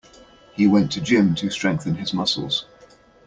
He went to gym to strengthen his muscles.